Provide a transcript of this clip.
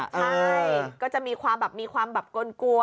ใช่ก็จะมีความแบบกล้วนมีความหยอก